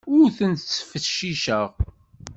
Ur ten-ttfecciceɣ.